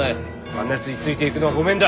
あんなやつについていくのは御免だ。